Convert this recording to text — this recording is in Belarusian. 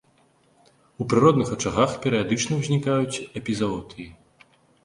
У прыродных ачагах перыядычна ўзнікаюць эпізаотыі.